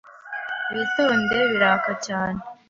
Witondere. Biraka cyane.